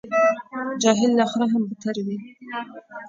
جاهل له خره هم بدتر وي.